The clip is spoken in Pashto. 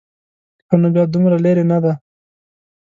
ښه نو بیا دومره لرې نه دی.